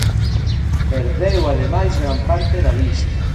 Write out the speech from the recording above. Perdeu ademais gran parte da vista.